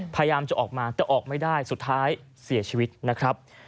พยายามจะออกมาแต่ออกไม่ได้สุดท้ายเสียชีวิตนะครับ